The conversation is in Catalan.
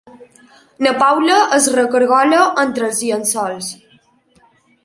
La Paula es recargola entre els llençols.